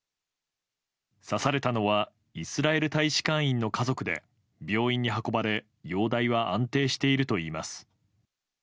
刺されたのはイスラエル大使館員の家族で病院に運ばれ容体は安定しているといいます。